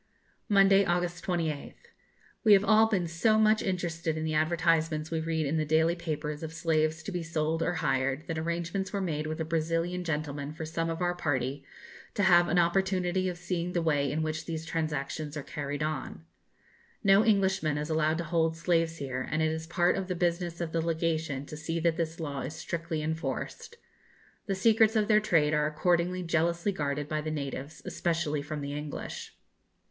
Monday, August 28th. We have all been so much interested in the advertisements we read in the daily papers of slaves to be sold or hired, that arrangements were made with a Brazilian gentleman for some of our party to have an opportunity of seeing the way in which these transactions are carried on. No Englishman is allowed to hold slaves here, and it is part of the business of the Legation to see that this law is strictly enforced. The secrets of their trade are accordingly jealously guarded by the natives, especially from the English.